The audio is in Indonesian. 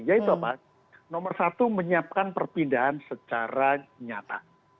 jadi pak nomor satu menyiapkan perpindahan secara nyata